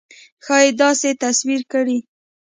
ښایي داسې تصویر کړي.